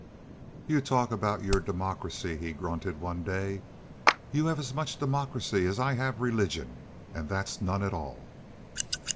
"You talk about your democracy," he grunted one day. "You have as much democracy as I have religion, and that's none at all."